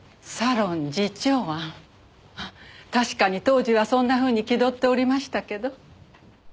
確かに当時はそんなふうに気取っておりましたけど。